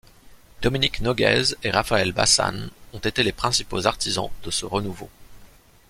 Dominique Noguez et Raphaël Bassan ont été les principaux artisans de ce renouveau.